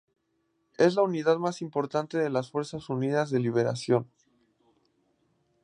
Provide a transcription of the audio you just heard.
Es la unidad más importante de las Fuerzas Unidas de Liberación.